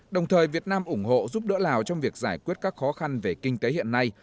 đồng thời việt nam ủng hộ giúp đỡ lào trong việc giải quyết các khó khăn về kinh tế hiện nay